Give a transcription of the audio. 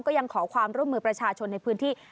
ยังขอความร่วมมือประชาชนในพื้นที่